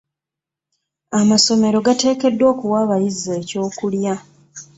Amasomero gateekeddwa okuwa abayizi ekyokulya.